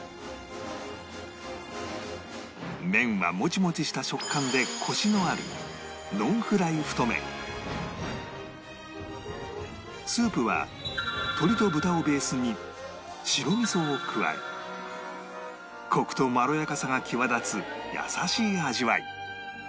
麺はモチモチした食感でスープは鶏と豚をベースに白味噌を加えコクとまろやかさが際出つ優しい味わい